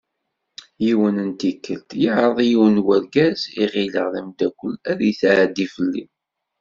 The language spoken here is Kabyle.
Yiwet n tikkelt yeɛreḍ yiwen n urgaz i ɣileɣ d amddakel ad yetɛeddi fell-i.